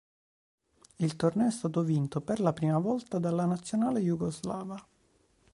Il torneo è stato vinto per la prima volta dalla nazionale jugoslava.